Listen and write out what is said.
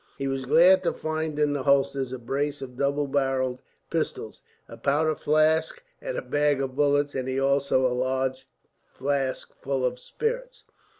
He was glad to find in the holsters a brace of double barrelled pistols, a powder flask and a bag of bullets, and also a large flask full of spirits.